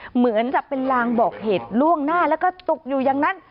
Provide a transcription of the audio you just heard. เหมือนจะเป็นลางบอกเหตุล่วงหน้าแล้วก็ตกอยู่อย่างนั้น